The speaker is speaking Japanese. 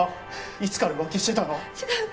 いつから浮気してたの？